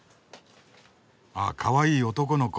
あかわいい男の子。